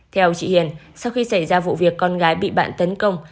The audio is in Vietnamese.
theo chị hiền sau khi xảy ra vụ việc con gái bị bạn tấn công